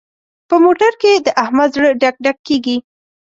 په موټر کې د احمد زړه ډک ډک کېږي.